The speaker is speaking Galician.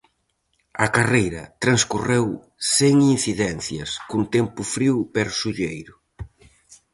A carreira transcorreu sen incidencias, cun tempo frío pero solleiro.